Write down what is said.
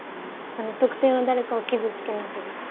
その特定の誰かを傷つけなければ。